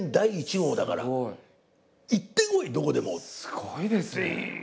すごいですね。